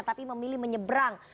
tapi memilih menyebrang